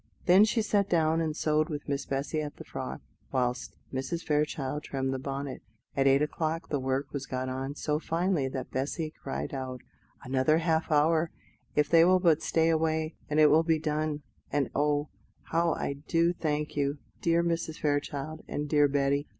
Then she sat down and sewed with Miss Bessy at the frock, whilst Mrs. Fairchild trimmed the bonnet. At eight o'clock the work was got on so finely that Bessy cried out: "Another half hour, if they will but stay away, and it will be done; and oh, how I do thank you, dear Mrs. Fairchild, and dear Betty!